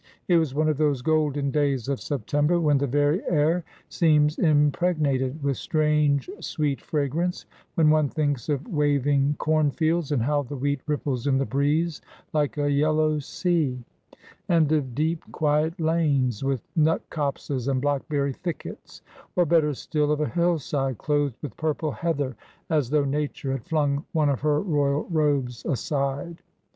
It was one of those golden days of September, when the very air seems impregnated with strange sweet fragrance, when one thinks of waving corn fields, and how the wheat ripples in the breeze like a yellow sea; and of deep, quiet lanes with nut copses and blackberry thickets or, better still, of a hillside clothed with purple heather, as though Nature had flung one of her royal robes aside.